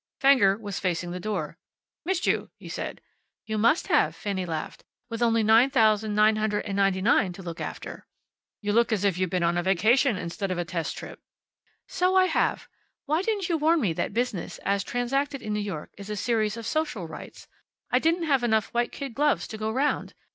Fenger was facing the door. "Missed you," he said. "You must have," Fanny laughed, "with only nine thousand nine hundred and ninety nine to look after." "You look as if you'd been on a vacation, instead of a test trip." "So I have. Why didn't you warn me that business, as transacted in New York, is a series of social rites? I didn't have enough white kid gloves to go round.